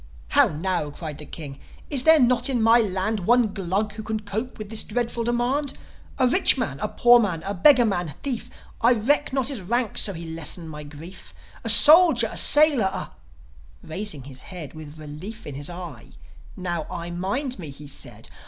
"How now?" cried the King. "Is there not in my land One Glug who can cope with this dreadful demand: A rich man, a poor man, a beggar man, thief I reck not his rank so he lessen my grief A soldier, a sailor, a " Raising his head, With relief in his eye, "Now, I mind me!" he said.